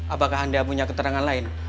apakah anda punya keterangan lain